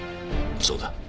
そうだ。